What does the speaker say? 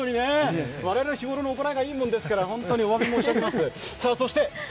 我々の日頃の行いがいいものですから本当にお詫び申し上げます。